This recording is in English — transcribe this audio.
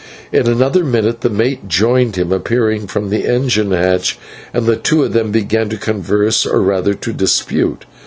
In another minute the mate joined him, appearing from the engine hatch, and the two of them began to converse, or rather to dispute.